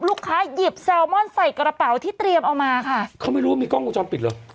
หยิบแซลมอนใส่กระเป๋าที่เตรียมเอามาค่ะเขาไม่รู้ว่ามีกล้องวงจรปิดเหรอ